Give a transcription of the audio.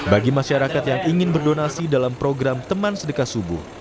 bagi masyarakat yang ingin berdonasi dalam program teman sedekah subuh